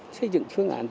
xây dựng phương án